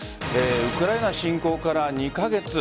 ウクライナ侵攻から２カ月。